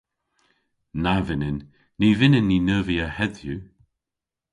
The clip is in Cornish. Na vynnyn. Ny vynnyn ni neuvya hedhyw.